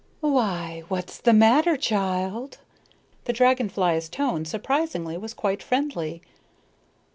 "Why, what's the matter, child?" The dragon fly's tone, surprisingly, was quite friendly.